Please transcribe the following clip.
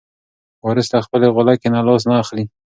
وارث له خپلې غولکې نه لاس نه اخلي.